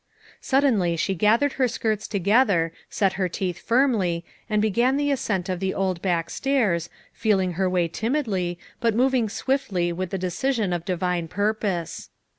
Suddenly she gathered her skirts together, set her teeth firmly, and began the ascent of the old back stairs, feeling her way timidly, but moving swiftly with the decision of definite purpose.